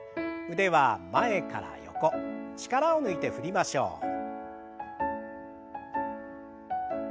腕は前から横力を抜いて振りましょう。